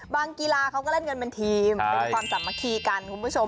กีฬาเขาก็เล่นกันเป็นทีมเป็นความสามัคคีกันคุณผู้ชม